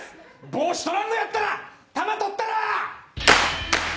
帽子取らんのやったらたま取ったらあ！